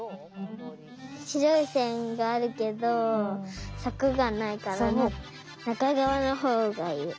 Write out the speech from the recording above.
しろいせんがあるけどさくがないからなかがわのほうがいい。